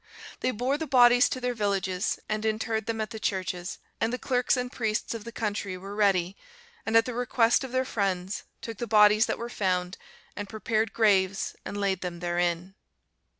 They bore the bodies to their villages, and interred them at the churches; and the clerks and priests of the country were ready, and at the request of their friends, took the bodies that were found, and prepared graves and laid them therein.